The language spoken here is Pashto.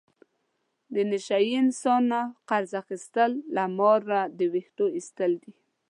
د نشه یي انسان نه قرض اخستل له ماره د وېښتو ایستل دي.